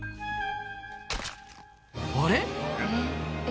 あれ？